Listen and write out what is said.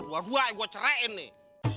buah buah yang gue cerain nih